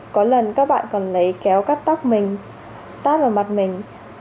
có lần các bạn còn lấy kéo cắt tóc mình tát vào mặt mình